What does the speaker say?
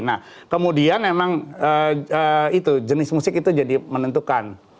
nah kemudian memang itu jenis musik itu jadi menentukan